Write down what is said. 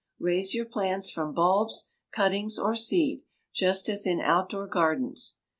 Raise your plants from bulbs, cuttings, or seed, just as in outdoor gardens.